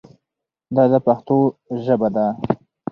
دا د پښتو ژبه ده.